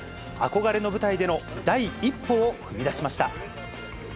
憧れの舞台での第一歩を踏み出しました。